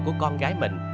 của con gái mình